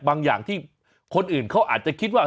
อย่างที่คนอื่นเขาอาจจะคิดว่า